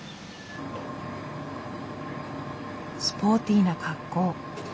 スポーティーな格好。